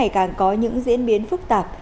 càng có những diễn biến phức tạp